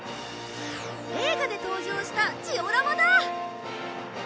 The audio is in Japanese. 映画で登場したジオラマだ！